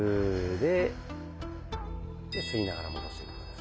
で吸いながら戻して。